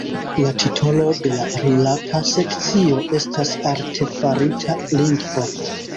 La titolo de la rilata sekcio estas Artefarita lingvo.